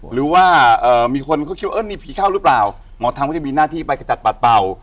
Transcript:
หรือว่ามีคนเขาคิดว่านี่ผีเข้าหรือเปล่าหมอทำก็จะมีหน้าที่ไปกระจัดปัดเป่า